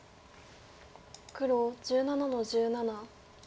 黒１７の十七。